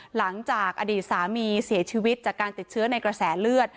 หลังจากอดีตสามีเสียชีวิตจากการติดเชื้อในกระแสเลือด